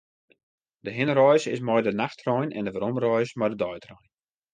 De hinnereis is mei de nachttrein en de weromreis mei de deitrein.